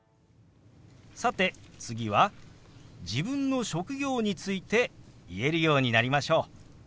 さて次は自分の職業について言えるようになりましょう。